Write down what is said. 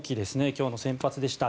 今日の先発でした。